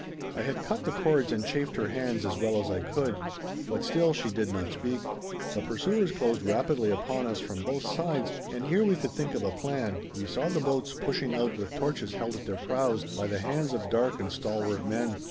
I had cut the cords and chafed her hands as well as I could, but still she did not speak. The pursuers closed rapidly upon us from both sides, and ere we could think of a plan, we saw the boats pushing out with torches held at their prows by the hands of dark and stalwart men.